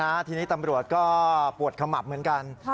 ทีนี้ตำรวจก็ปวดขมับเหมือนกัน